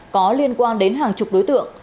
có liên quan đến hàng chục đối tượng